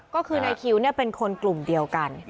ก็คือนายคิวเป็นคนกลุ่มเดียวกัน